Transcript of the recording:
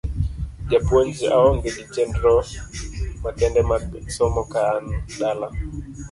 Japuonj aonge gi chenro makende mag somo ka an dala.